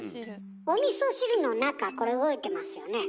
おみそ汁の中これ動いてますよね。